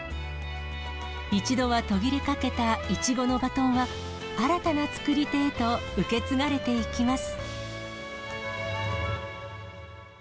一度は途切れかけたイチゴのバトンは、新たな作り手へと受け継がれていきます。